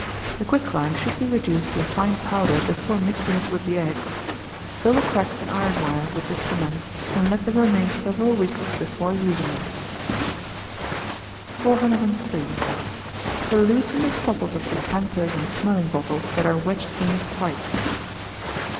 The quicklime should be reduced to a fine powder before mixing it with the eggs. Fill the cracks in iron ware with this cement, and let them remain several weeks before using them. 403. _To loosen the Stopples of Decanters and Smelling Bottles that are wedged in tight.